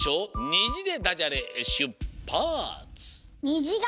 「にじ」でダジャレしゅっぱつ！